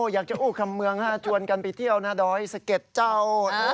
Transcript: อยากจะอู้คำเมืองชวนกันไปเที่ยวนะดอยสะเก็ดเจ้า